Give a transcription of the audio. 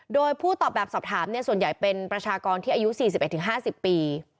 โดยผู้ตอบแบบสอบถามส่วนใหญ่เป็นประชากรที่อายุ๔๑๕๐ปี